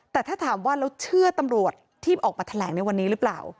แต่ถ้าถามว่าเราเชื่อตำรวจที่ออกมาแถลงในวันนี้หรือเปล่า